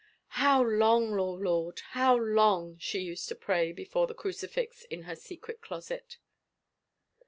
" How long, O Lord, how long !" she used to pray before the crucifix in her secret closet.